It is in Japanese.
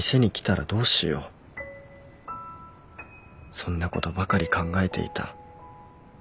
そんなことばかり考えていた